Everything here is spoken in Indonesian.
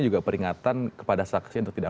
juga peringatan kepada saksi untuk tidak